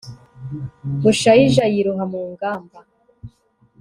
bushayija yiroha mu ngamba